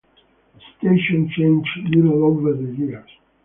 The station changed little over the years.